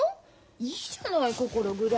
いいじゃない心ぐらい。